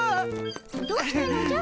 どうしたのじゃ？